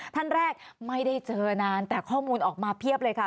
ท่านแรกไม่ได้เจอนานแต่ข้อมูลออกมาเพียบเลยค่ะ